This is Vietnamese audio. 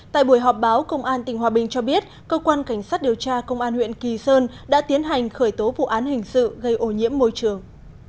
tại buổi họp báo công an tỉnh hòa bình cho biết cơ quan cảnh sát điều tra công an huyện kỳ sơn đã tiến hành khởi tố vụ án hình sự gây ô nhiễm môi trường